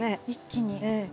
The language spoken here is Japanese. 一気に。